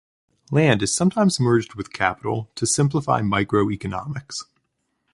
Land is sometimes merged with capital to simplify micro-economics.